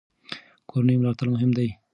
کورنۍ ملاتړ مهم دی.